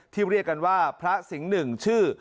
เรียกกันว่าพระสิงห์หนึ่งชื่อ